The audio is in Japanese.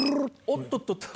おっとっとっと。